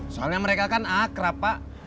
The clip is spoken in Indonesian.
soalnya mereka kan akrab pak